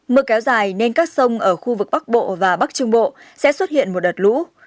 mưa kéo dài nên các sông ở khu vực bắc bộ và bắc trung bộ sẽ xuất hiện một đợt lũ